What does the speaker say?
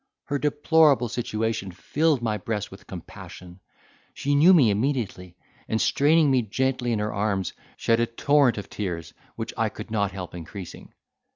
Her deplorable situation filled my breast with compassion. She knew me immediately; and, straining me gently in her arms, shed a torrent of tears, which I could not help increasing.